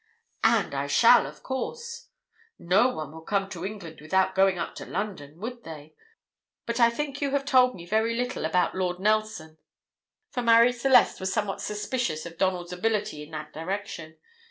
"And I shall, of course. No one would come to England without going up to London, would they? But I think you have told me very little about Lord Nelson for Marie Celeste was somewhat suspicious of Donald's ability in that direction.